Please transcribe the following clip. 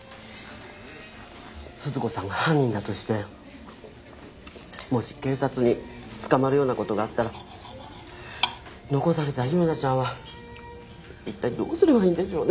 鈴子さんが犯人だとしてもし警察に捕まるようなことがあったら残された優奈ちゃんは一体どうすればいいんでしょうね？